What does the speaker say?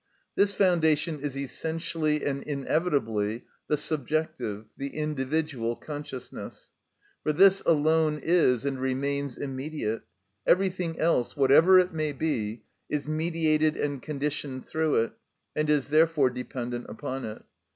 This foundation is essentially and inevitably the subjective, the individual consciousness. For this alone is and remains immediate; everything else, whatever it may be, is mediated and conditioned through it, and is therefore dependent upon it.